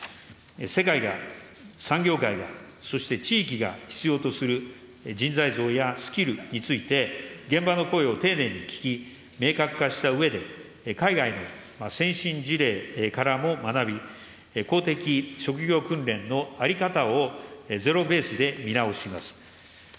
世界が、産業界が、そして地域が必要とする人材像やスキルについて、現場の声を丁寧に聞き、明確化したうえで、海外の先進事例からも学び、公的職業訓練の在り方をゼロベースで見直します。